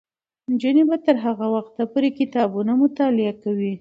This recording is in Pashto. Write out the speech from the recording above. نجونې به تر هغه وخته پورې کتابونه مطالعه کوي.